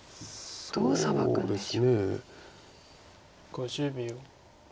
５０秒。